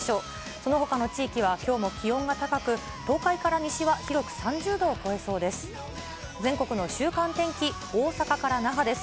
そのほかの地域は、きょうも気温が高く、東海から西は広く３０度を超えそうです。